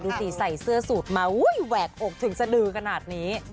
ใส่เสื้อสูตรมาแหวกอกถึงสดือขนาดนี้